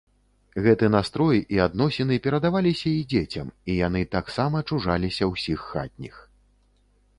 Гэты настрой і адносіны перадаваліся і дзецям, і яны таксама чужаліся ўсіх хатніх.